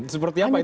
seperti apa itu